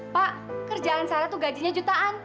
pak kerjaan sana tuh gajinya jutaan